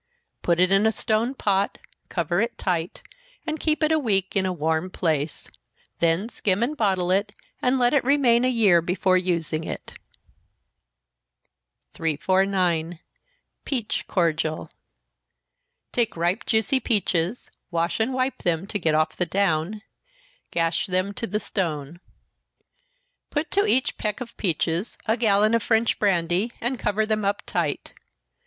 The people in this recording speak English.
Put it in a stone pot, cover it tight, and keep it a week in a warm place, then skim and bottle it, and let it remain a year before using it. 349. Peach Cordial. Take ripe juicy peaches wash and wipe them, to get off the down gash them to the stone. Put to each peck of peaches a gallon of French brandy, and cover them up tight.